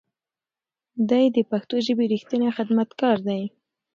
دی د پښتو ژبې رښتینی خدمتګار دی.